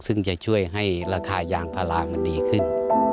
ซึ่งจะช่วยให้ราคายางพารามันดีขึ้น